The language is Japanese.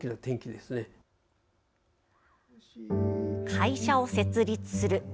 会社を設立する。